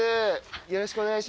よろしくお願いします。